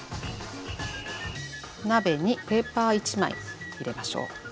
鍋にペーパー１枚入れましょう。